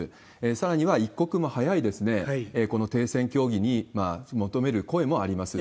さらには、一刻も早いこの停戦協議に求める声もあります。